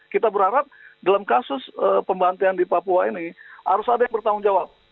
kita berharap dalam kasus pembantian di papua ini harus ada yang bertanggung jawab